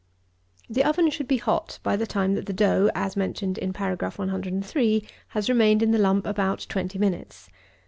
105. The oven should be hot by the time that the dough, as mentioned in Paragraph 103, has remained in the lump about 20 minutes.